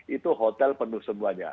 itu hotel penuh semuanya